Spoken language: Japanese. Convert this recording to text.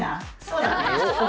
そうだね。